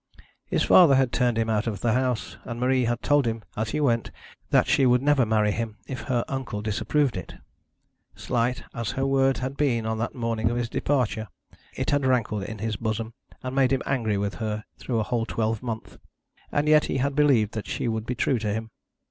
His father had turned him out of the house, and Marie had told him as he went that she would never marry him if her uncle disapproved it. Slight as her word had been on that morning of his departure, it had rankled in his bosom, and made him angry with her through a whole twelvemonth. And yet he had believed that she would be true to him!